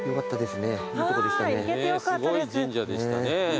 すごい神社でしたね。